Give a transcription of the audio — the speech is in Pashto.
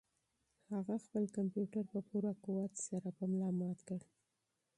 هغه خپل کمپیوټر په پوره قوت سره په ملا مات کړ.